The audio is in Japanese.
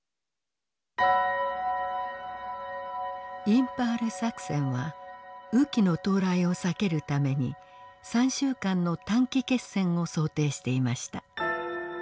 インパール作戦は雨期の到来を避けるために３週間の短期決戦を想定していました。